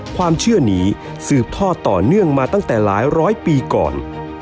ความเชื่อนี้สืบทอดต่อเนื่องมาตั้งแต่หลายร้อยปีก่อน